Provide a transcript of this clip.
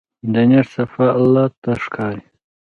د نیت صفا الله ته ښکاري.